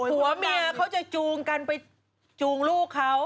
ผัวเมียเขาจะจูงกันไปจูงลูกเขา